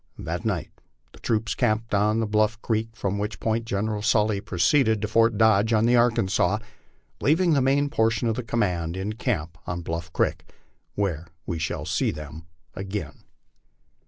That night the troops camped on Bluff creek, from which point General Sully proceeded to Fort Dodge, on the Arkansas, leaving the main portion of the command ia camp on Bluff creek, where we shall see them again.